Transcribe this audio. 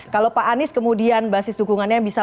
kalau pak anis kemudian basis dukungannya yang bisa